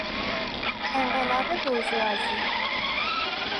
انقلاب بورژوازی